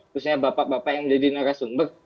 khususnya bapak bapak yang menjadi narasumber